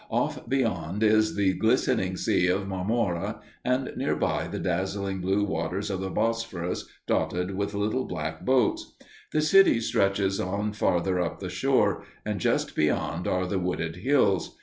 Off beyond is the glistening Sea of Marmora, and near by, the dazzling blue waters of the Bosporus dotted with little black boats. The city stretches on farther up the shore, and just beyond are the wooded hills.